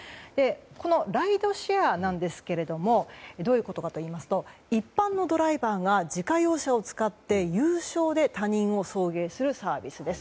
このライドシェアなんですがどういうことかといいますと一般のドライバーが自家用車を使って有償で他人を送迎するサービスです。